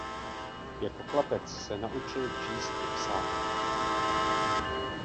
Jako chlapec se naučil číst i psát.